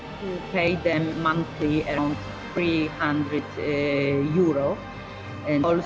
untuk membayar mereka harga sekitar tiga ratus euro sebulan